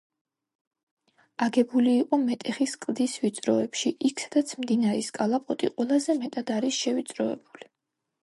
აგებული იყო მეტეხის კლდის ვიწროებში, იქ სადაც მდინარის კალაპოტი ყველაზე მეტად არის შევიწროებული.